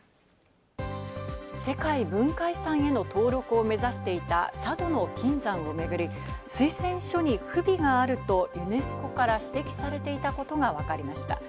世界文化遺産への登録を目指していた佐渡島の金山をめぐり、推薦書に不備があるとユネスコから指摘されていたことがわかりました。